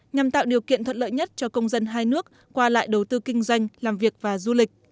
nhằm tạo điều kiện thuận lợi nhất cho công dân hai nước qua lại đầu tư kinh doanh làm việc và du lịch